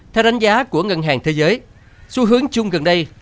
theo đánh giá của ngân hàng thế giới xu hướng chung gần đây